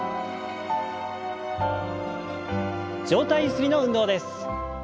上体ゆすりの運動です。